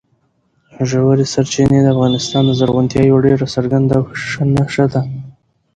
ژورې سرچینې د افغانستان د زرغونتیا یوه ډېره څرګنده او ښه نښه ده.